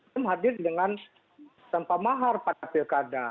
semua hadir dengan sampah mahar pada pilkada